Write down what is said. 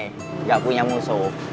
nggak punya musuh